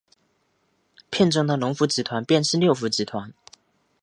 片中的龙福集团便是六福集团。